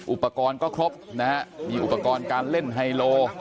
อุปกรณ์ก็ครบนะฮะมีอุปกรณ์การเล่นไฮโล